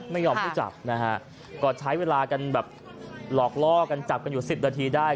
ไม่ยอมให้จับนะฮะก็ใช้เวลากันแบบหลอกล่อกันจับกันอยู่สิบนาทีได้